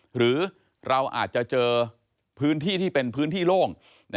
หรือเราอาจจะเจอพื้นที่ที่เป็นพื้นที่โล่ง